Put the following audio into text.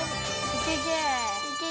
いけいけ！